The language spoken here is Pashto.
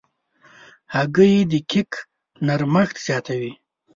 هګۍ د کیک نرمښت زیاتوي.